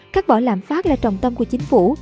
cắt bỏ lãm phát là trọng tâm của chính phủ